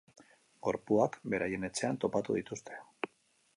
Gorpuak beraien etxean topatu dituzte.